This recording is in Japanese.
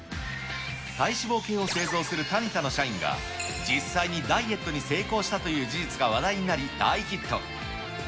体脂肪計を製造するタニタの社員が、実際にダイエットに成功したという事実が話題になり、大ヒット。